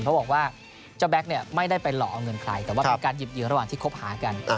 เขาบอกว่าเจ้าแบ็คเนี่ยไม่ได้ไปหลอกเอาเงินใครแต่ว่าเป็นการหยิบเหยื่อระหว่างที่คบหากัน